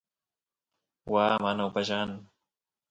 waa mana upallan